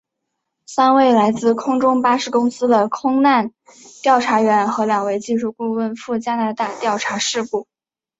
三位来自空中巴士公司的空难调查员和两位技术顾问赴加拿大调查事故。